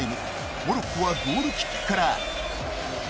モロッコはゴールキックから。